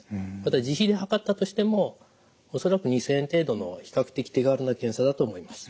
自費で測ったとしても恐らく２，０００円程度の比較的手軽な検査だと思います。